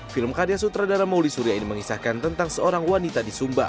film karya sutradara mauli surya ini mengisahkan tentang seorang wanita di sumba